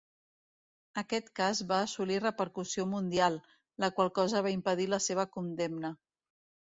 Aquest cas va assolir repercussió mundial, la qual cosa va impedir la seva condemna.